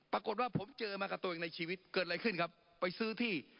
ปรากฏว่าผมเจอมากับตัวเองในชีวิตเกิดอะไรขึ้นครับไปซื้อที่